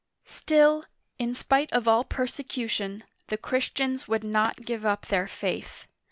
Still, in spite of all persecution, the Christians would not give up their faith.